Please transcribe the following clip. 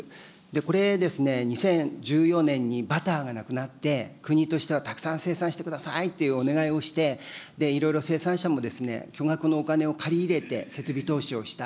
これ、２０１４年にバターがなくなって、国としてはたくさん生産してくださいというお願いをして、いろいろ生産者も巨額のお金を借り入れて設備投資をした。